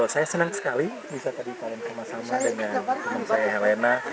saya senang sekali bisa tadi kalian sama sama dengan teman saya helena